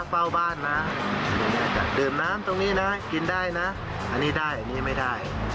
เฝ้าบ้านนะดื่มน้ำตรงนี้นะกินได้นะอันนี้ได้อันนี้ไม่ได้